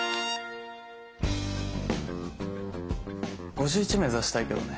５１目指したいけどね